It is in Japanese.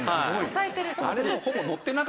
支えてる。